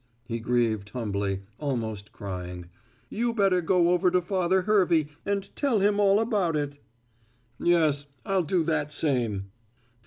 he grieved humbly, almost crying. "You better go over to Father Hervey and tell him all about it." "Yes, I'll do that same."